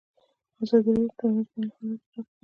ازادي راډیو د ټولنیز بدلون حالت په ډاګه کړی.